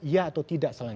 ya atau tidak selanjutnya